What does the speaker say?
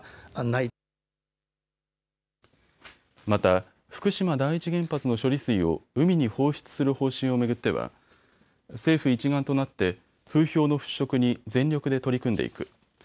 また福島第一原発の処理水を海に放出する方針を巡っては政府一丸となって風評の払拭に全力で取り組んでいく。